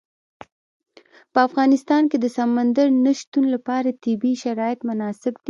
په افغانستان کې د سمندر نه شتون لپاره طبیعي شرایط مناسب دي.